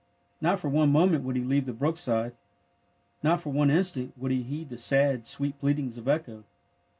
Not for one moment would he leave the brook side. Not for one instant would he heed the sad, sweet pleadings of Echo.